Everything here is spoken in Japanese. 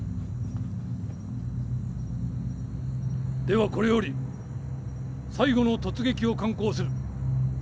ではこれより最後の突撃を敢行する。